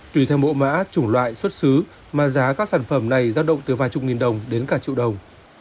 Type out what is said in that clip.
tùy theo mẫu mã chủng loại xuất xứ mà giá các sản phẩm này ra động từ vài chục nghìn đồng đến cả triệu đồng